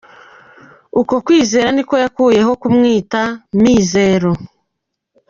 Uko kwizera niko yakuyeho kumwita Mizero.